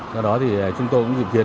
do đó thì chúng tôi cũng dịp tiến